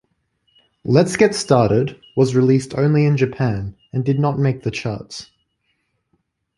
"Let's Get Started" was released only in Japan and did not make the charts.